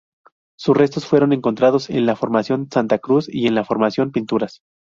Sus restos fueron encontrados en la Formación Santa Cruz y en la Formación Pinturas.